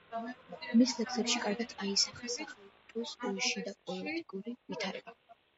მის ლექსებში კარგად აისახა სახალიფოს შიდაპოლიტიკური ვითარება.